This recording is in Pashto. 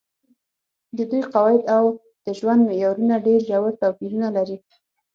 د دوی عواید او د ژوند معیارونه ډېر ژور توپیرونه لري.